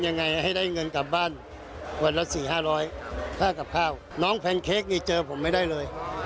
น้องแพงเค้กนี่เจอผมไม่ได้เลย